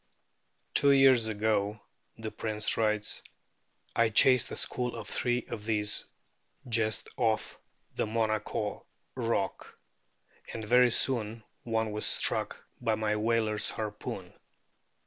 * "Two years ago," the Prince writes, " I chased a school of three of these just off the Monaco rock, and very soon one was struck by my whaler's harpoon.